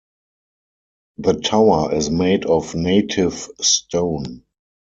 The tower is made of native stone.